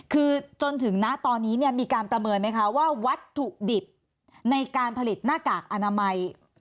คือจนถึงณตอนนี้เนี่ยมีการประเมินไหมคะว่าวัตถุดิบในการผลิตหน้ากากอนามัย